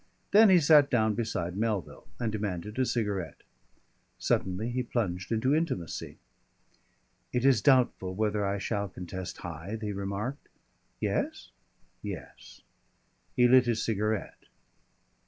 Then he sat down beside Melville and demanded a cigarette. Suddenly he plunged into intimacy. "It is doubtful whether I shall contest Hythe," he remarked. "Yes?" "Yes." He lit his cigarette.